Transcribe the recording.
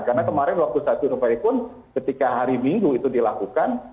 karena kemarin waktu satu november pun ketika hari minggu itu dilakukan